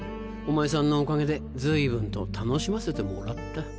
お前さんのおかげで随分と楽しませてもらった。